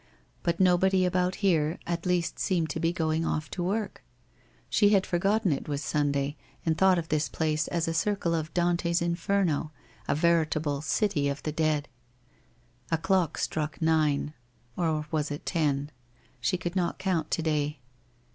But nobody about here, at least seemed to be going off to work ? She had forgotten it was Sunday, and thought of this place as a circle of Dante's Inferno — a veritable city of the dead. A clock struck nine — or was it ten ? She could not count to day.